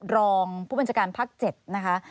รองผู้บัญชาการภาค๗นะคะ